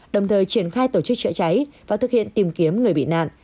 đồng thời triển khai tổ chức chữa cháy và thực hiện tìm kiếm người bị nạn